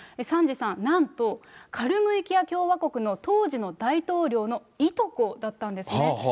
サンジさん、なんと、カルムイキア共和国の当時の大統領のいとこだったんですね。